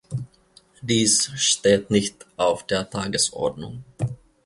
Dies steht nicht auf der Tagesordnung!